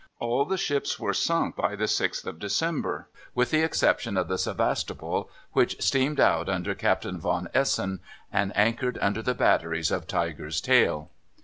All the ships were sunk by the 6th of December, with the exception of the Sevastopol, which steamed out under Captain von Essen and anchored under the batteries of Tiger's Tail.